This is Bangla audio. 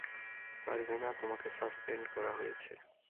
পারভীনা, তোমাকে সাসপেন্ড করা হয়েছে।